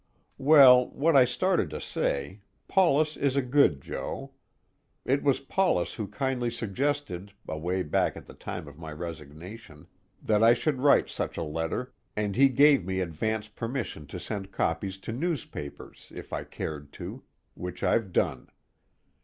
Well, what I started to say Paulus is a good joe. It was Paulus who kindly suggested, away back at the time of my resignation, that I should write such a letter, and he gave me advance permission to send copies to newspapers if I cared to which I've done.